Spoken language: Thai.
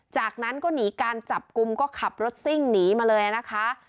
จากนั้นก็หนีการจับกลุ่มก็ขับรถซิ่งหนีมาเลยนะคะ